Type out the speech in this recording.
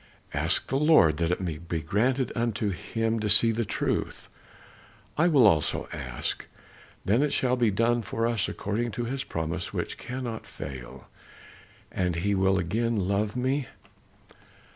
"Ask the Lord that it may be granted unto him to see the truth. I will also ask, then shall it be done for us according to his promise which cannot fail." "And he will again love me?"